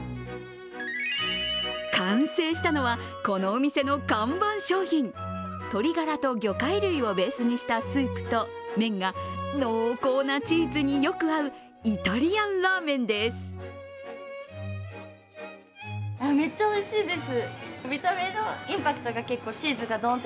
完成したのは、このお店の看板商品鶏ガラと魚介類をベースにしたスープと麺が濃厚なチーズによく合うイタリアンラーメンです。